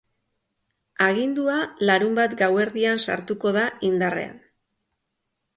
Agindua larunbat gauerdian sartuko da indarrean.